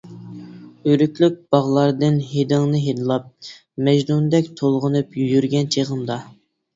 ئۆرۈكلۈك باغلاردىن ھىدىڭنى ھىدلاپ، مەجنۇندەك تولغىنىپ يۈرگەن چېغىمدا.